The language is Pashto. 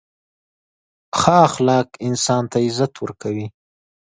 • ښه اخلاق انسان ته عزت ورکوي.